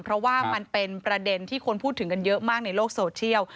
เพราะว่ามันเป็นประเด็นที่คนพูดถึงกันเยอะมากในโลกโซเชียล